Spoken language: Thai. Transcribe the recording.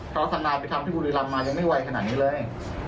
เพราะทนายไปทำที่บุรีรำมายังไม่ไวขนาดนี้เลย